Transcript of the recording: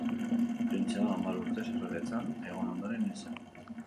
Printze hau hamar urtez erregetzan egon ondoren hil zen.